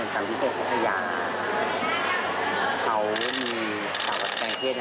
แต่เราไม่รู้ว่าเรือนจำพิเศษพัทยา